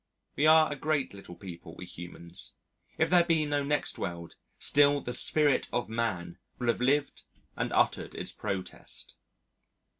We are a great little people, we humans. If there be no next world, still the Spirit of Man will have lived and uttered its protest.